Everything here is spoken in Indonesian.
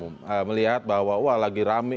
melihat bahwa lagi rame